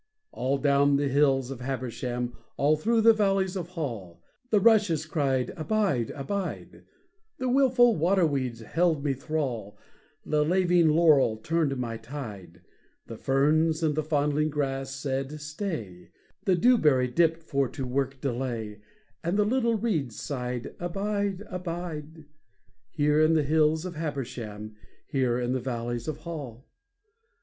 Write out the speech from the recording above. All down the hills of Habersham, All through the valleys of Hall, The rushes cried `Abide, abide,' The willful waterweeds held me thrall, The laving laurel turned my tide, The ferns and the fondling grass said `Stay,' The dewberry dipped for to work delay, And the little reeds sighed `Abide, abide, Here in the hills of Habersham, Here in the valleys of Hall.'